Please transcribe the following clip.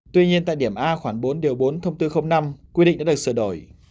tuy nhiên tại điểm a khoản bốn bốn thông tư năm quy định đã được sửa đổi